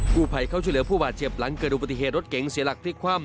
ผู้ภัยเข้าช่วยเหลือผู้บาดเจ็บหลังเกิดอุบัติเหตุรถเก๋งเสียหลักพลิกคว่ำ